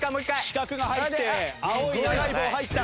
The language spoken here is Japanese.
四角が入って青い長い棒入った。